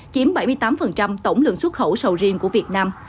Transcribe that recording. chiếm bảy mươi tám tổng lượng xuất khẩu sầu riêng của việt nam